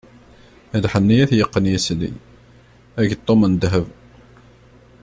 Lḥenni ad t-yeqqen yisli, ageṭṭum n dheb.